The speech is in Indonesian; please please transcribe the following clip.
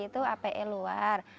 itu ape luar